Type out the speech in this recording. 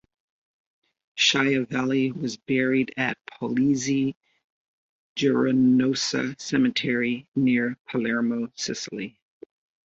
Schiavelli was buried at Polizzi Generosa Cemetery, near Palermo, Sicily.